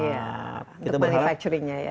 untuk manufacturing nya ya